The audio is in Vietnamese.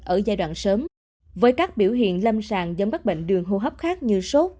ở giai đoạn sớm với các biểu hiện lâm sàng giống các bệnh đường hô hấp khác như sốt